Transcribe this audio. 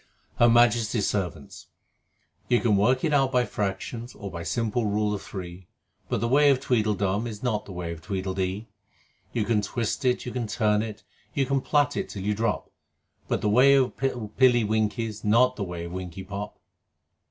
Her Majesty's Servants You can work it out by Fractions or by simple Rule of Three, But the way of Tweedle dum is not the way of Tweedle dee. You can twist it, you can turn it, you can plait it till you drop, But the way of Pilly Winky's not the way of Winkie Pop!